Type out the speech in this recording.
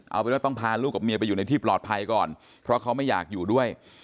เอาเป็นว่าต้องพาลูกกับเมียไปอยู่ในที่ปลอดภัยก่อนเพราะเขาไม่อยากอยู่ด้วย